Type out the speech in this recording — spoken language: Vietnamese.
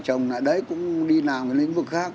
ở đấy cũng đi làm cái lĩnh vực khác